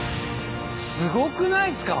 すごくないすか？